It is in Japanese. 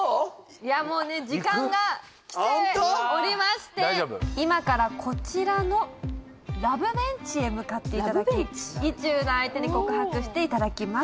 いやもうね時間がきておりまして今からこちらのラブベンチへ向かっていただき意中の相手に告白していただきます